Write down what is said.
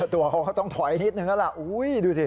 ตัวเขาก็ต้องถอยนิดนึงอะแหละก็ล้างดูสิ